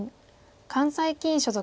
関西棋院所属。